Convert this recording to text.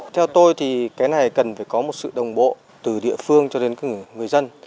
theo tôi thì cái này cần phải có một sự đồng bộ từ địa phương cho đến người dân